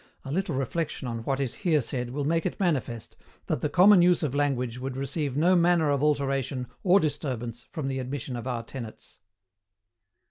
A little reflexion on what is here said will make it manifest that the common use of language would receive no manner of alteration or disturbance from the admission of our tenets.